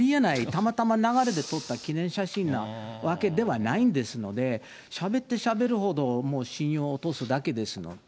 たまたま流れで撮った記念写真なわけではないですので、しゃべってしゃべるほど、もう信用落とすだけですので。